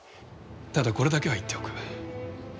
ただこれだけは言っておく。